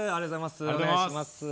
お願いします。